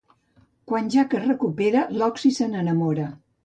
Quan Jack es recupera, Loxi se n'enamora.